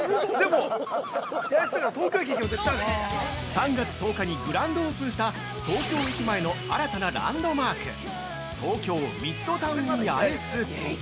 ◆３月１０日にグランドオープンした東京駅前の新たなランドマーク東京ミッドタウン八重洲。